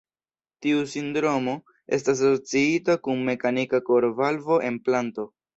Tiu sindromo estas asociita kun mekanika korvalvo-enplanto.